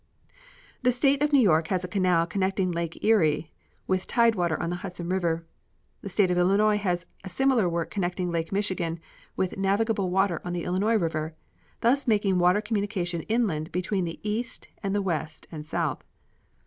The State of New York has a canal connecting Lake Erie with tide water on the Hudson River. The State of Illinois has a similar work connecting Lake Michigan with navigable water on the Illinois River, thus making water communication inland between the East and the West and South.